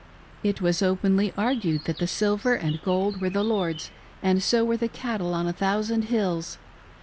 It was openly argued that the silver and gold were the Lord's, and so were the cattle on a thousand hills.